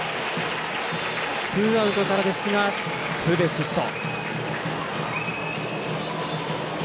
ツーアウトからですがツーベースヒット。